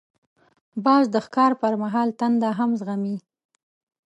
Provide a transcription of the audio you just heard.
باز د ښکار پر مهال تنده هم زغمي